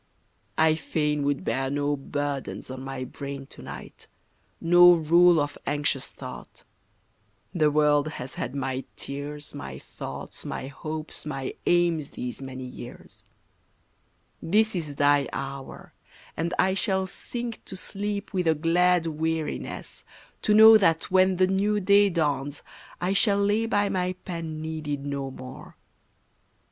I fain would bear No burdens on my brain to night, no rule Of anxious thought; the world has had my tears, My thoughts, my hopes, my aims these many years; This is Thy hour, and I shall sink to sleep With a glad weariness, to know that when The new day dawns I shall lay by my pen Needed no more.